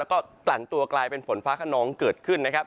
แล้วก็กลั่นตัวกลายเป็นฝนฟ้าขนองเกิดขึ้นนะครับ